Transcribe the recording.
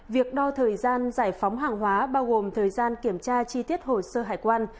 việc đo thời gian giải phóng hàng hóa bao gồm thời gian kiểm tra chi tiết hồ sơ hải quan